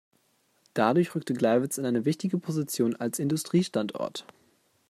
Dadurch rückte Gleiwitz in eine wichtige Position als Industriestandort.